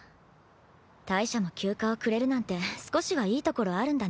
大赦も休暇をくれるなんて少しはいいところあるんだね。